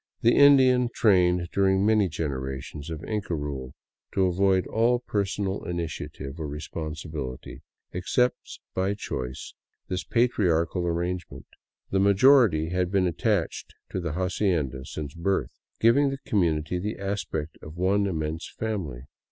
The Indian, trained during many generations of Inca rule to avoid all personal initiative or responsibility, accepts by choice this patriarchal arrangement. The majority had been attached to the hacienda since birth ; giving the community the aspect of one immense family.